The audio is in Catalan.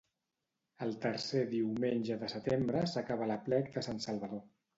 El tercer diumenge de setembre s'acaba l'Aplec de Sant Salvador.